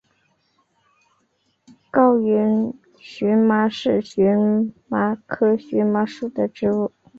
高原荨麻是荨麻科荨麻属的植物。